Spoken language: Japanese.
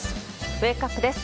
ウェークアップです。